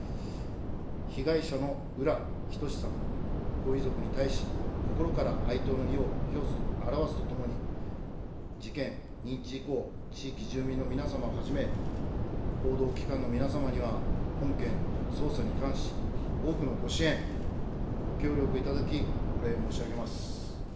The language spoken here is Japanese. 被害者の浦仁志さん、ご遺族に対し、心から哀悼の意を表すとともに、事件認知以降、地域住民の皆様をはじめ、報道機関の皆様には、本件捜査に関し、多くのご支援、ご協力を頂き、お礼申し上げます。